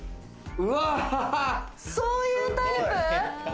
そういうタイプ。